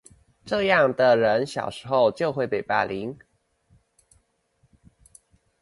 這樣的人小時候就會被霸凌